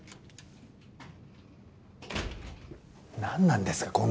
なんなんですか？